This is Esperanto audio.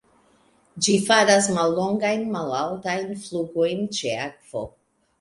Ĝi faras mallongajn malaltajn flugojn ĉe akvo.